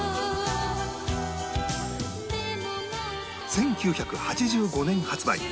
１９８５年発売